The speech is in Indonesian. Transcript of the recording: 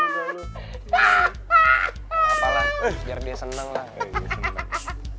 gak apa lah biar dia seneng lah